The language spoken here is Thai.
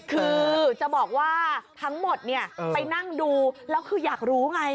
คือจะบอกว่าทั้งหมดเนี่ยไปนั่งดูแล้วคืออยากรู้ไง